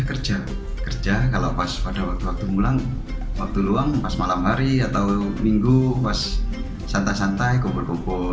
kerja kerja kalau pas pada waktu waktu pulang waktu luang pas malam hari atau minggu pas santai santai kumpul kumpul